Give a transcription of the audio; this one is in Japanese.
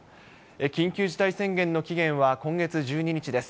緊急事態宣言の期限は今月１２日です。